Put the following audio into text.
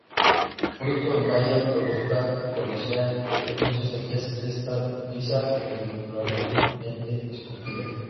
Fruto en baya robusta, coriácea, con muchas semillas; testa lisa a diminutamente esculpida.